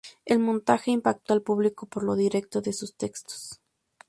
El montaje impactó al público por lo directo de sus textos.